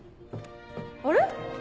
あれ？